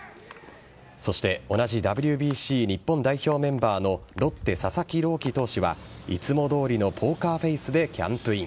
そして、同じＷＢＣ日本代表メンバーのロッテ・佐々木朗希投手はいつもどおりのポーカーフェイスでキャンプイン。